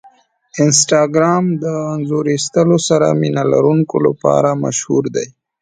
انسټاګرام د انځور ایستلو سره مینه لرونکو لپاره مشهور دی.